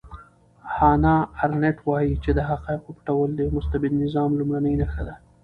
هانا ارنټ وایي چې د حقایقو پټول د یو مستبد نظام لومړنۍ نښه ده.